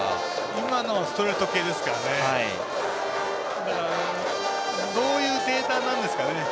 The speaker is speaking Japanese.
今のストレート系ですからどういうデータなんですかね。